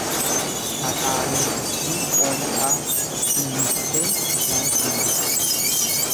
Axaariin distii qoonxaa dhimmistee bishaan hambisti.